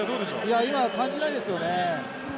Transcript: いや今感じないですよね。